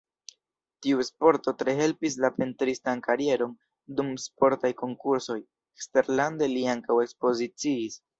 Tiu sporto tre helpis la pentristan karieron, dum sportaj konkursoj eksterlande li ankaŭ ekspoziciis.